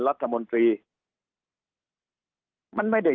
สุดท้ายก็ต้านไม่อยู่